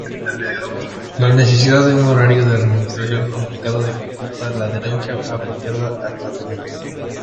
La necesidad de un horario de administración complicado dificulta la adherencia apropiada al tratamiento.